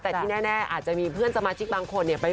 แต่ที่แน่อาจจะมีเพื่อนสมาชิกบางคนเนี่ย